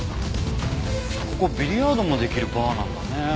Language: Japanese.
ここビリヤードもできるバーなんだね。